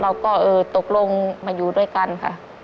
เราก็เออตกลงมาอยู่ด้วยกันค่ะ